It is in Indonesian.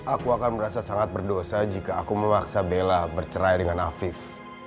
aku akan merasa sangat berdosa jika aku memaksa bella bercerai dengan afif